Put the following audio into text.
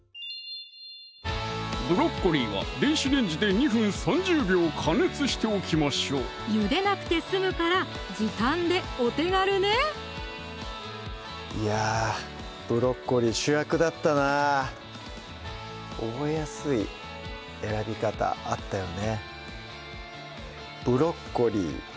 ブロッコリーは電子レンジで２分３０秒加熱しておきましょうゆでなくて済むから時短でお手軽ねいやブロッコリー主役だったな覚えやすい選び方あったよね